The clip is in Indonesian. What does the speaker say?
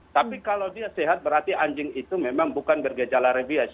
tapi kalau dia sehat berarti anjing itu memang bukan bergejala rabies